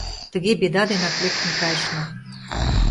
Тыге «Беда» денак лектын кайышна.